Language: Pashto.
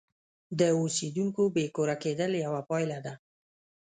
د اوسیدونکو بې کوره کېدل یوه پایله ده.